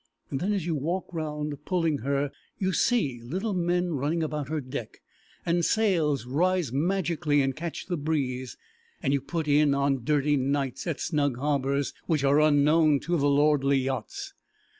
Then as you walk round, pulling her, you see little men running about her deck, and sails rise magically and catch the breeze, and you put in on dirty nights at snug harbours which are unknown to the lordly yachts.